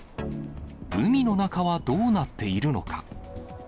海の中はどうなっているのか。